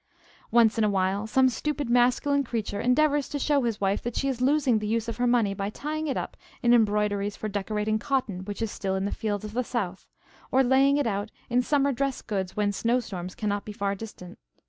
Once in a while some stupid masculine creature endeavors to show his wife that she is losing the use of her money by tying it up in embroideries for decorating cotton which is still in the fields of the South, or laying it out in summer dress goods when snow storms can not be far distant.